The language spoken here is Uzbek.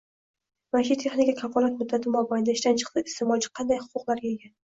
Maishiy texnika kafolat muddati mobaynida ishdan chiqsa, iste’molchi qanday huquqlarga ega?